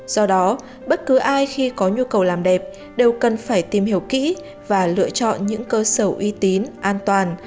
do đó bất cứ ai khi có nhu cầu làm đẹp đều cần phải tìm hiểu kỹ và lựa chọn những cơ sở uy tín an toàn